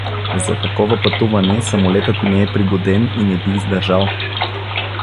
— За такова пътуване самолетът не е пригоден и не би издържал.